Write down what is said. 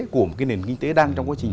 của một cái nền kinh tế đang trong quá trình